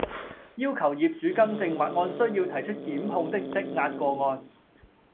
要求業主更正或按需要提出檢控的積壓個案